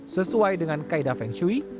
sesuai dengan kaedah feng shui